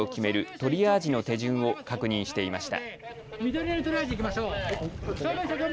トリアージの手順を確認していました。